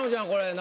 何？